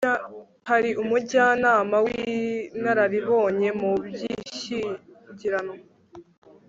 hari umujyanama w'inararibonye mu by'ishyingiranwa